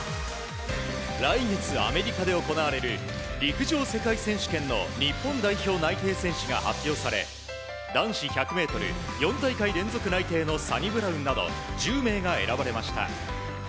来月、アメリカで行われる陸上世界選手権の日本代表内定選手が発表され男子１００ｍ、４大会連続内定のサニブラウンなど１０名が選ばれました。